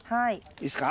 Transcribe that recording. いいですか？